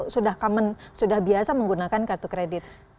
sudah common sudah biasa menggunakan kartu kredit